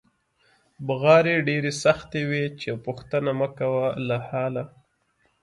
بغارې ډېرې سختې وې چې پوښتنه مکوه له حاله.